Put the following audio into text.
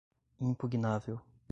impugnável